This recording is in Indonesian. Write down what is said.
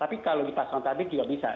tapi kalau dipasang tabir juga bisa